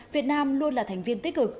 việt nam luôn là thành viên tích cực